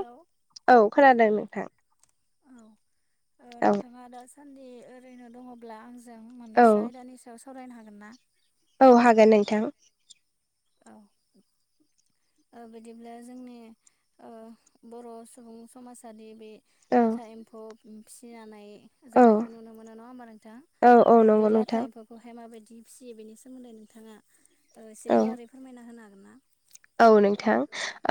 Hello औ खोनादों नोंथां औ ओ औ नोंथाङा दासान्दि ओरैनो दङ'ब्ला आंजों औ मोनैसो आयदानि सायाव सावरायनो हागोन ना औ हागोन नोंथां औ ओ बिदिब्ला जोंनि ओ बर' सुबुं समाजारि बे औ लाथा एम्फौ फिसिनानै औ जानायखौ नुनो मोनो नङा ओमबा नोंथां औ औ अ बे नंगौ लाथा नोंथां एम्फौखौहाय मा बायदि फिसियो बेनि सोमोन्दै नोंथाङा ओ एसे औ गुवारै फोरमायना होनो हागोन ना औ नोंथां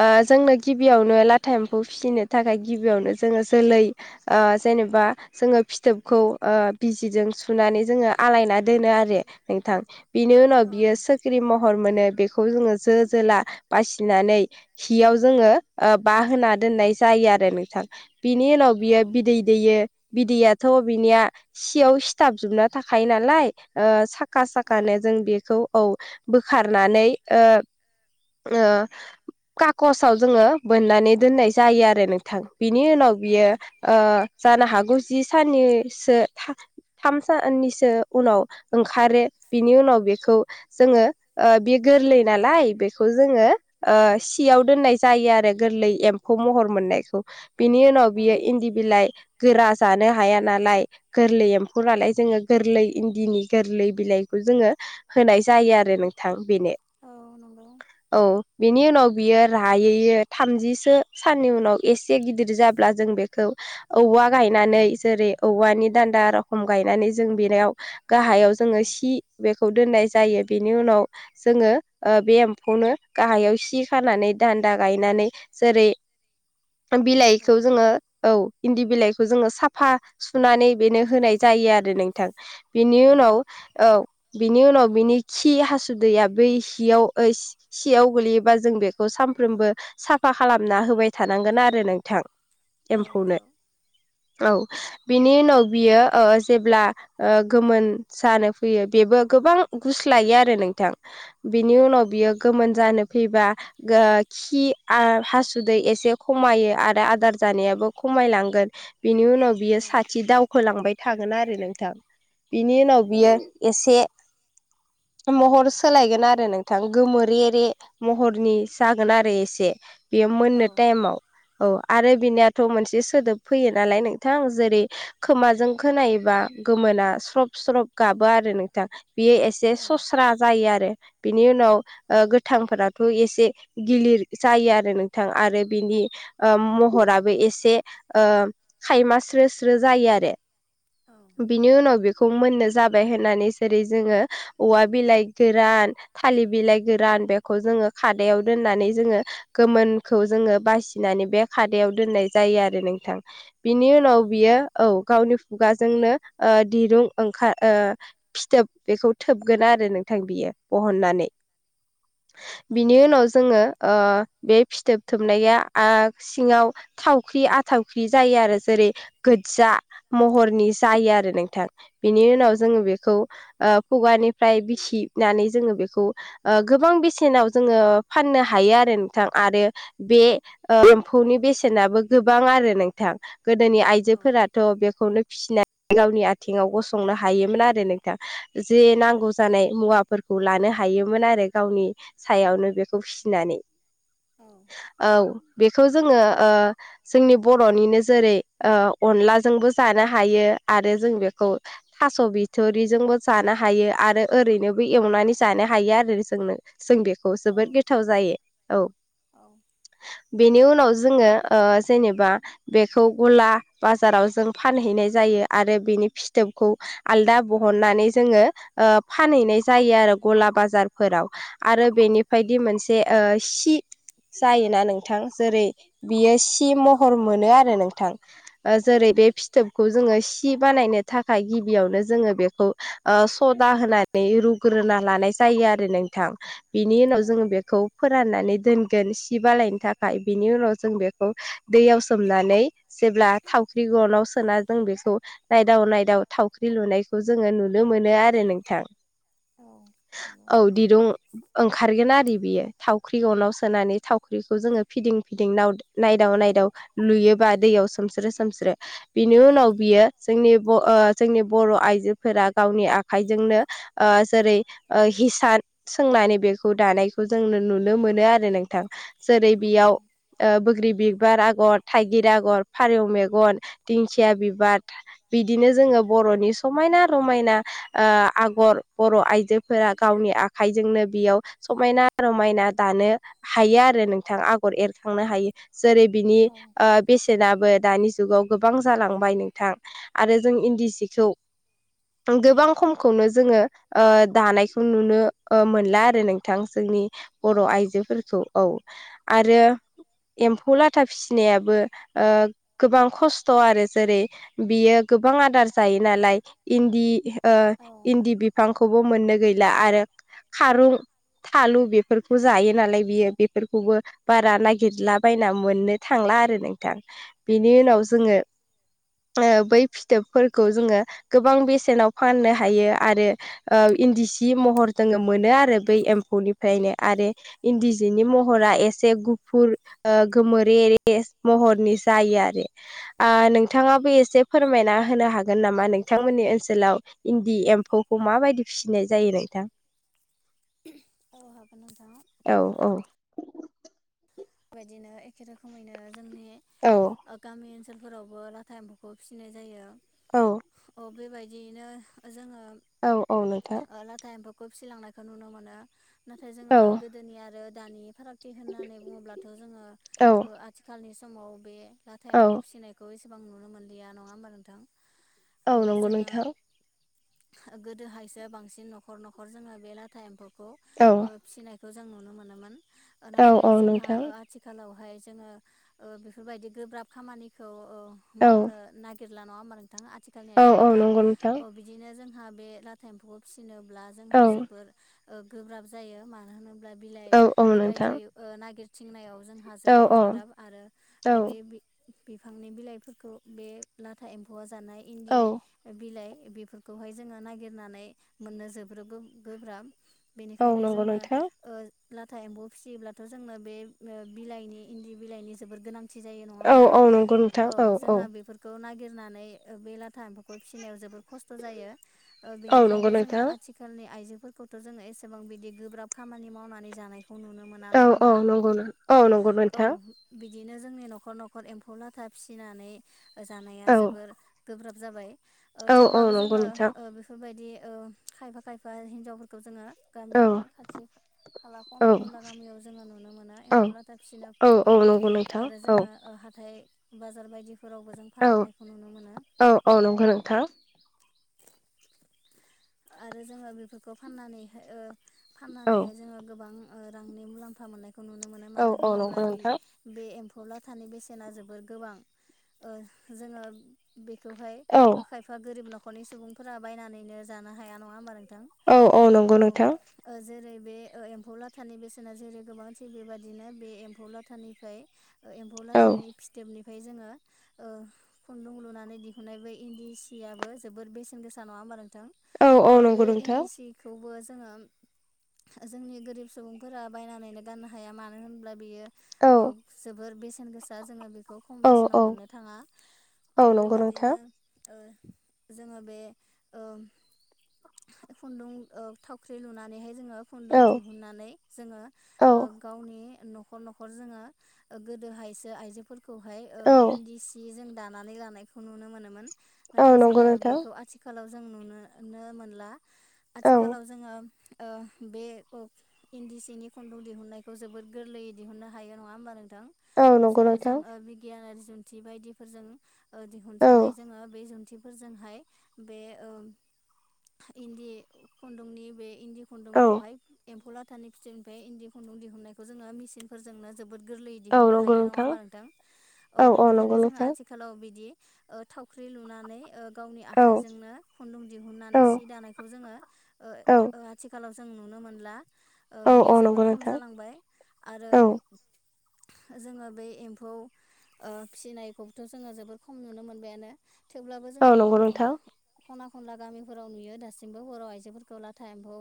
ओ जोंनो गिबियावनो लाथा एम्फौ फिसिनो थाखाय गिबियावनो जोङो [unintelligible] गोरलै ओ जेनेबा जोङो फिथोबखौ ओ बिजिजों सुनानै जोङो आलायना दोनो आरो नोंथां बिनि उनाव औ बियो सोख्रि महर मोनो बेखौ जोङो जो जोला बासिनानै हियाव जोङो ओ बाहा दोननाय जायो आरो नोंथां। बिनि उनाव औ बियो बिदै दैयो बिदैयाथ' बिनिया सियाव सिथाबजोबना थाखायो नालाय ओ साख साखा औ साखानो जों बेखौ औ बोखारनानै ओ ओ कागसाव बोननानै दोननाय जायो आरो नोंथां। औ गोरा जानो हाया नालाय औ नंगौ औ नंगौ औ नंगौ औ काकसाव जोङो बोननानै दोननाय जायो आरो नोंथां बिनि उनाव बियो ओ जानो हागौ जि साननिसो था‌ थाम साननिसो उनाव ओंखारो बिनि उनाव बेखौ जोङो ओ बे गोरलै नालाय बे खौ जोङो ओ सियाव दोननाय जायो आरो गोरलै एम्फौ महर मोननायखौ बिनि उनाव बियो इन्दि बिलाइ गोरा जानो हाया नालाय गोरलै एम्फौ नालाय जोङो गोरलै इन्दिनि गोरलै बिलाइ जोङो होनाय जायो आरो नोंथां बेनो औ नंगौ औ बिनि उनाव बियो रायैयो थामजिसो साननि उनाव एसे गिदिर जाब्ला जों बेखौ औवा गायनानै जेरै औवानि दान्दा रखम गायनानै जों बेरायाव गाहायाव जोङो सि बेखौ दोननाय जायो बेनि उनाव जोङो ओ बे खौनो गाहायाव सि खानानै दान्दा गायनानै जेरै बिलाइखौ जोङो औ इन्दि बिलाइखौ जोङो साफा सुनानै बेनो होनाय जायो आरो नोंथां। बिनि उनाव औ बिनि उनाव बिनि खि हासुदैया बै हियाव ओइ सि-सियाव गोलैयोबा जों बेखौ सानफ्रोमबो साफा खालामना होबाय थानांगोन आरो नोंथां। औ एम्फौनो नंगौ औ बिनि उनाव बियो ओ जेब्ला ओ गोमोन जानो फैयो बेबो गोबां गुस्लायो आरो नोंथां नों बिनि उनाव मोन जानो फैबा गो खि आ हासुदै एसे खमायो आरो आदार जा नेयाबो खमायलांगोन बिनि उनाव बियो साथि दावखोलांबाय थागोन आरो नोंथां। बिनि उनाव बियो एसे महर सोलायगोन आरो नों थां गोमोरेरे महरनि जागोन आरो एसे बेयो मोननो टाइमाव औ आरो बिनियाथ' मोनसे सोदोब फैयो नालाय नोंथां जेरै खोमाजों खोनायोबा गोमोना स्रब स्रब गाबो आरो नोंथां बेयो एसे सस्रा जायो आरो बिनि उनाव ओ गोथांफोराथ' एसे गिलिर जायो आरो नोंथां आरो बिनि ओ महराबो एसे ओ खायमा स्रो स्रो जायो आरो। बिनि उनाव बेखौ मोननो जाबाय होननानै जेरै जोङो औवा बिलाइ गोरान थालिर बिलाइ गोरान बेखौ जोङो खादायाव दोननानै जोङो गोमोनखौ जोङो बासि नानै बे खादायाव दोननाय जायो आरो नोंथां बिनि उनाव बियो औ गावनि खुगा जोंनो ओ दिरुं ओंखार ओ फिथोब बेखौ थोबगोन आरो नोंथां बियो। बहननानै बिनि उनाव जोङो ओ बे फिथोबथोबनाया आ सिङाव थावख्रि आथावख्रि जायो आरो जेरै गोज्जा महरनि जायो आरो नोंथां बेनि उनाव जोङो बेखौ ओ खुगानिफ्राय बिसिनानै जोङो बेखौ ओ गोबां बेसेनाव जोङो फाननो हा हायो आरो नोंथां आरो बे ओ एम्फौनि बेसेनाबो गोबां आरो नोंथां। गोदोनि आइजोफोराथ' बेखौनो फिसिना गावनि आथिङाव गसंनो हायोमोन आरो नोंथां जे नांगौ जानाय मुवा फोरखौ लानो हायोमोन आरो गावनि सायावनो बेखौ फिनानै औ बेखौ जोङो ओ जोंनि बरनिनो जेरै ओ अनलाजोंबो जानो हायो। आरो जों बेखौ थास' बिथरिजोंबो जानो हायो आरो ओरैनोबो एवनानै जानो हायो आरो जोंनो जों बेखौ जोबोद गोथाव जायो औ बेनि उन उनाव जोङो जेनेबा बेखौ गला बाजाराव जों फानहैनाय जायो। आरो बिनि फिथोबखौ आलदा बहननानै जोङो ओ फानहैनाय जायो आरो गलाब बाजारफोराव आरो बेनिफायदि मोनसे ओ सि जायोना नोंथां जेरै बियो सि महर मोनो आरो नोंथां ओ जेरै बे फिथोबखौ जोङो सि बानायनो थाखाय गिबियावनो जोङो बेखौ ओ सदा होनानै रुग्रोना लानाय जा जायो आरो नोंथां। बिनि उनाव जोङो बेखौ फोराननानै दोनगोन सि बालायनो थाखाय बिनि उनाव जों बेखौ दैयाव सोमनानै जेब्ला थावख्रि गनाव सोना जों बेखौ नायदाव नायदाव थावख्रि लुनायखौ जोङो नुनो मोनो आरो नोंथां। नंगौ औ दिरुं ओंखारगोन आरो बियो थावख्रि गनाव सोनानै थावख्रिखौ जोङो फिदिं फिदिं नाव नायदाव नाय दाव लुयोबा दैयाव सोमस्रो सोमस्रो बिनि उनाव बियो जोंनि ब ओ जोंनि बर' आइजोफोरा गावनि आखाइजोंनो ओ जेरै ओ हिसान सोंनानै बेखौ दानायखौ जोंनो नुनो मोनो आरो नोंथां। जेरै बियाव ओ बोग्रि बि बार आगर, थाइगिर आगर, फारौ मेगन, दिंखिया बिबार बिदिनो जोङो बर'नि समायना रमायना ओ आगर बर' आइजोफोरा आ गावनि आखाइजोंनो बेयाव समायना रमायना दानो हायो आरो नोंथां आगर ए बेरखांनो हायो जेरै बिनि औ ओ बेसेनाबो दानि जुगाव गोबां जालांबाय नोंथां। आरो जों इन्दि जिखौ गोबां खमखौनो जोङो ओ दानायखौ नुनो मोनला आरो नोंथां जोंनि औ बर' आइजोफोरखौ औ आरो एम्फौ लाथा फिसिनायाबो ओ गोबां खस्थ आरो जेरै बियो गोबां आदार जायो नालाय इन्दि ओ औ इन्दि बिफांखौबो मोननो गै ला आरो खारुं थालु बेफोरखौ जायो नालाय बियो बेफोरखौबो बारा नागिरला बायना मोननो थां ला आरो नोंथां बिनि उनाव औ जोङो ओ बै फिथोबफोरखौ जोङो गोबां बेसेनाव फाननो हायो आरो ओ इन्दि सि महर जोंङो मोनो आरो बै एम्फौनिफ्रायनो आरो इन्दि जिनि महरा एसे गु गुफुर ओ गोमोरे रे महरनि जायो आरो आ नोंथाङाबो ए से फोरमायना होनो हागोन नामा नोंथांमोननि ओनसोलाव इन्दि एम्फौखौ माबायदि फिसिनाय जायो? नोंथां औ हागोन नोंथां। औ औ बेबायदिनो एखे रोखोमैनो जोंनि औ ओ गामि ओन सोलफोरावबो लाथा एम्फौखौ फिसिनाय जायो। औ। अ बेबायदियैनो ओ जोङो औ औ नोंथां। बो फिलांनायखौ नुनो मोनो नाथाय जोङो औ गोदोनि आरो दानि फारागथि होननानै बुङोब्ला थ' जोङो औ ओ आथिखालनि समाव बे लाथा औ एम्फौ फिसिनायखौ एस बां नुनो मोनलिया नङा होमबा नोंथां औ नंगौ जोङो नोंथां गोदोहायसो बांसिन न'खर न'खर जोङो बे लाथा एम्फौखौ औ ओ फिसिनाय खो जों नुनो मोनोमोन। औ औ नोंथां। खालावहाय जोङो ओ बेफोरबायदि गोब्राब खामानिखौ ओ औ मावनो नागिर गिरला नङा होमबा नोंथां आथिखालनि औ औ आइजोफोरा नंगौ नोंथां अ बिदिनो जोंहा बे लाथा एम्फौखौ फिसिनो ब्ला औ जोंहा जोबोर ओ गोब्राब जायो मानो होनो ब्ला बिलाइ औ औ ओ नोंथां बायदि ओ नागिरथिंनायाव जोंहा औ जोबोर गोब्राब आरो ओ औ बे बि बिफांनि बिलाइफोरखौ बे लाथा एम्फौआ जानाय इन्दि औ बिलाइ बेफोरखौहाय जोङो नागिरनानै मोननो जोब्रब गोब्राब औ बेनिखायनो नंगौ जोंनो नोंथां ओ लाथा एम्फौ फिसियोब्लाथ' जोंनो बे ओ बिलाइनि इन्दि बिलाइनि जोबोर गोनां थि जायो नङा औ होमबा औ नंगौ नोंथां औ जोंहा बेफोरखौ नागिर नानै ओ बे लाथा एम्फौखौ फिसिनायाव जोबोर खस्थ' जायो ओ औ नंगौ बेनिखायनो जोङो नोंथां आथिखालनि आइजो फोरफोरखौथ' जोङो एसेबां बिदि गोब्राब खामानि मावनानै जानायखौ नुनो मोना नङा होमबा नोंगौ नों औ नोंगौ औ नोंथां बिदिनो जोंनि न'खर न'खर एम्फौ लाथा फिसिनानै जानाया औ जोबोर गोब्राब जाबाय ओ औ औ थेवब्लाबो नंगौ जोङो नोंथां ओ बेफोरबायदि ओ खायफा खायफा हिन्जावफोरखौ जोङो औ गामिनि खाथि खाला औ खना खनला गामियाव जोङो नुयो नो मोना एम्फौ लाथा औ फिनोबखौहाय औ नंगौ नोंथां आरो औ जोङो ओ हाथाय बाजार बायदि फोरावबो जों औ फानहैनायखौ नुनो मोनो औ औ नंगौ नोंथां औ नंगौ नोंथां आरो जोङो बेफोरखौ फाननानै हाय ओ औ फाननानैहाय जोङो गोबां ओ रांनि मुलाम्फा मोननाय खो नुनो मोनो औ मानो औ होनोब्ला नंगौ बे नोंथां बे एम फौ लाथानि बेसेना जोबोर गोबां ओ जोङो बे खौहाय औ ओ खायफा गोरिब न'खरनि सुबुंफोरा बायनानैनो जानो हाया नङा होमबा नो थां औ औ नंगौ ओम नोंथां ओ जेरै बे ओ एम्फौ लाथानि बेसेना जेरै गोबां थिग बेबादिनो बे एम्फौ लाथानिफाय ओ एम्फौला औ थानि फिथोबनि फाय जोङो ओ खुन्दुं लुनानै दिहुननाय बे इन्दि सियबो जोबोर बेसेन गोसा नङा होमबा नोंथां औ ओ औ बे नंगौ नोंथां इन्दि सिखौबो जोङो जोंनि गोरिब सुबुंफोरा बायनानैनो गाननो हाया मानो होनब्ला बेयो औ ओ जोबोर बेसेन गोसा जोङो बेख खौ खम औ बेसेनाव मोननो थाङा औ अ नंगौ नोंथां बेबादिनो ओ जोङो बे ओ खुन्दुं ओ थावख्रि लुनानैहाय जोङो खुन्दुं दिहुननानै जोङो ओ गावनि न'खर न'खर जोङो ओ गोदोहायसो आइजोफोरखौहाय ओ इन्दि सि जों दानानै लानायखौ नुनो मोनोन नाथाय जोङो बेखौ आथिखालाव जों नुनो नो मोनला औ आथिखालाव जोङो ओ बे अग इन्दि सिनि खुन्दुं दिहुननायखौ जोबोर गोरलैयै दिहुननो हायो नङा होमबा नों थां औ नंगौ जेरै जों नोंथां ओ बिगियानारि जुन्थि बायदिफोरजों ओ औ दिहुनजानाय जोङो बे जुन्थिफोरजोंहाय बे ओम इन्दि खुन्दुंनि बे इन्दि औ खुन्दुंखौहाय एम्फौ लाथानि फिथोबनिफाय इन्दि खुन दुं दिहुननायखौ जोङो मिसिनफोरजोंनो जोबोद गोरलैयै औ दिहुननो नंगौ हायो नङा होमबा नोंथां औ अ औ नंगौ बिनिखायनो जोङो नोंथां आथिखालाव बिदि ओ थावख्रि लुनानै ओ गावनि औ आखाइजोंनो खुन्दुं औ दिहुननानै सि दानायखौ जोङो औ आथिखालाव जों नुनो मोनला औ बियो औ जोबोर नंगौ खम नोंथां जालांबाय आरो औ जोङो बे एम्फौ फिसिनायखौबोथ' जोङो जोबोर खम नुनो मोनबायानो थेवब्लाबो औ जोङो नंगौ ओ नोंथां। खना खनला गामिफोराव नुयो दासिमबो हराव आइजोफोरखौ लाथा एम्फौ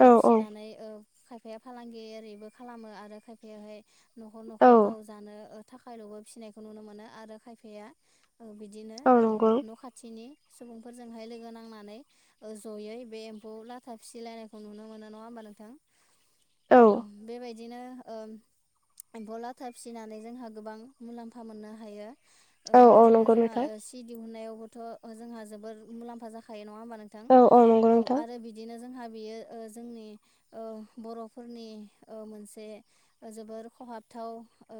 औ औ फिसिनानै ओ खायफाया फालांगि ओरैबो खालामो आरो खायफायाहाय न'खर औ न'खर गाव जानो ओ थाखायल'बो फिसिनायखौ नुनो मोनो आरो खायफाया बिदिनो औ नंगौ न' खाथि नि सुबुंफोरजोंहाय लोगो नांनानै जयै बे एम्फौ लाथा फिसिलायनायखौ नुनो मोनो। नङा होमबा नोंथां औ बेबायदिनो ओ एम्फौ लाथा फिसिनानै जोंहा गोबां मुलाम्फा मोननो हायो। औ औ बिदिनो नंगौ जोंहा नोंथां सि दिहुननायावबोथ' जोंहा जोबोर मुलाम्फा जाखायो नङा होमबा नोंथां? औ नंगौ औ नोंथां आरो बिदिनो जोंहा बियो ओ जोंनि औ बर'फोरनि ओ मोनसे ओजोबोर खहाब थाव ओ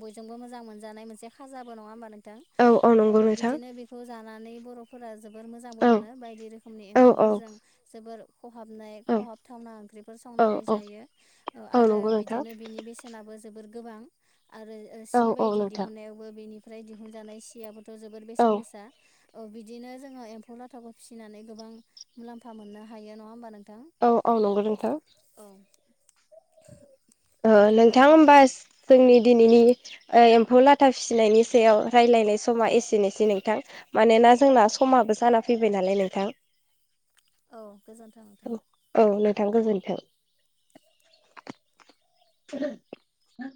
बयजोंबो मोजां मोनजानाय मोनसे खाजाबो नङा होमबा नों थां औ बिदिनो बेखौ जानानै बर'फोरा जोबोर मोजांबो औ मोनो बायदि रोखोमनि औ ओंख्रिफोरजों जोबोर खहाबनाय औ खहाबथावना ओंख्रिफोर औ संनानै औ जायो औ आरो नंगौ नोंथां बिदिनो बिनि बेसेनाबो जोबोद गोबां आरो औ सि औ बायदि नोंथां दिहुननायावबो बेनिफ्राय दिहुनजानाय सियाबोथ' जोबबोर औ बेसेन गोसा ओ बिदिनो जोङो एम्फौ लाथाखौ फिसिनानै गोबां मुलाम्फा मोननो हायो नङा होमबा नोंथां? औ औ नंगौ नोंथां। औ [inaudible] बिदिब्ला नोंथां होमबा औ जोंनि दिनैनि एम्फौ लाथा फिसिनायनि सायाव रायजलायनाय समा एसेनोसै नोंथां मानोना जोंना समा बे साना फैबाय नालाय नोंथां। औ गोजोन्थों नोंथां। औ नोंथां गोजोनथों।